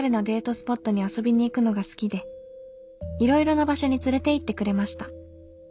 スポットに遊びに行くのが好きでいろいろな場所に連れて行ってくれました。